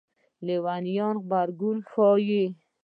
لېونیانو غبرګون ښيي.